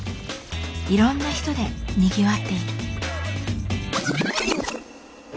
いろんな人でにぎわっている。